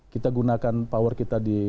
kita gunakan power kita di